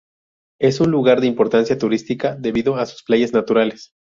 Es un lugar de importancia turística debido a sus playas naturales.